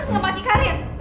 so gak patut ngebagi karim